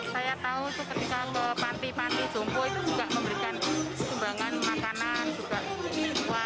saya tahu itu ketika panti panti jompo itu juga memberikan sumbangan makanan juga uang